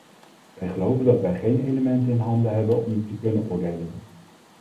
Wij geloven dat wij geen elementen in handen hebben om te kunnen oordelen.